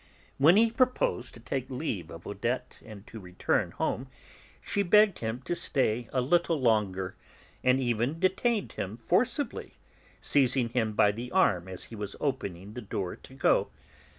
When he proposed to take leave of Odette, and to return home, she begged him to stay a little longer, and even detained him forcibly, seizing him by the arm as he was opening the door to go.